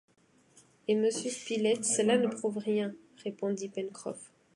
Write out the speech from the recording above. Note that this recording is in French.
Eh monsieur Spilett, cela ne prouve rien, répondit Pencroff